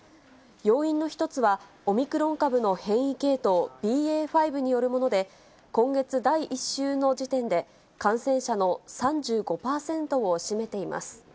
要因の１つは、オミクロン株の変異系統、ＢＡ．５によるもので、今月第１週の時点で、感染者の３５％を占めています。